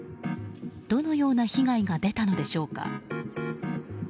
どのような被害が出たのでしょうか。